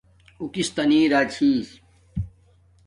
اُو کس تا نی را چھس